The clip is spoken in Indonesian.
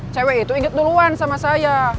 cewek itu ingat duluan sama saya